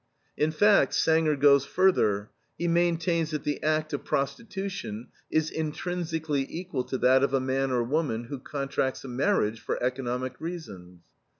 " In fact, Banger goes further; he maintains that the act of prostitution is "intrinsically equal to that of a man or woman who contracts a marriage for economic reasons."